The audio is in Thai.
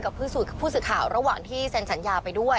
กับผู้สื่อข่าวระหว่างที่เซ็นสัญญาไปด้วย